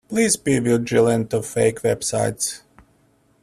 Please be vigilant of fake websites.